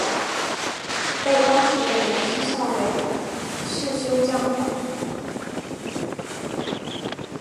被当时的人讥笑为世修降表。